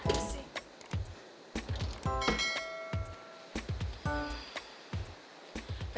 gak ada sih